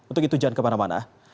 untuk itu jangan kemana mana